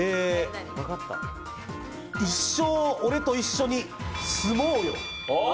一生俺と一緒にスモウよ。